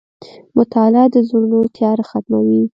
• مطالعه د زړونو تیاره ختموي.